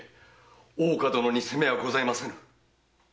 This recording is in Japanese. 大岡殿に責めはございませぬ。